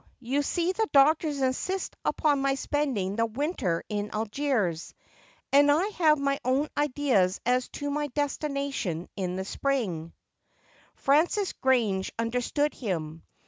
You see the doctors insist upon my spending the winter in Algiers, and I have my own ideas as to my destination in the spring I ' Frances Grange understood him.